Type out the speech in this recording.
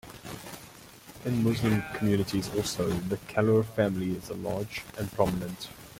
In Muslim communities also, the Kalloor family is large and prominent.